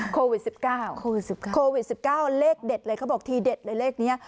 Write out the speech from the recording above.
โควิด๑๙เลขเด็ดเลยเค้าบอกทีเด็ดเลยเลขนี้